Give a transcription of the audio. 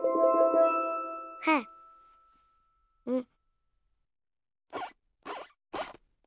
はあうん。